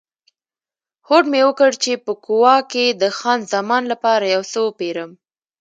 هوډ مې وکړ چې په کووا کې د خان زمان لپاره یو څه وپیرم.